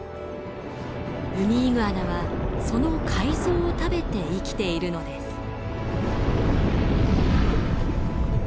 ウミイグアナはその海藻を食べて生きているのです。